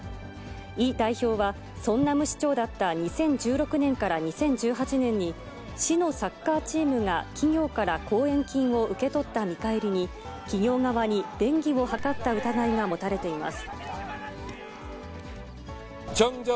イ代表は、ソンナム市長だった２０１６年から２０１８年に、市のサッカーチームが企業から後援金を受け取った見返りに、企業側に便宜を図った疑いが持たれています。